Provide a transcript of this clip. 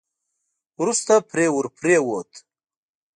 وروسته پرې ور پرېووت.